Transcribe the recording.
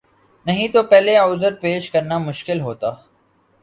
نہیں تو پہلے عذر پیش کرنا مشکل ہوتا۔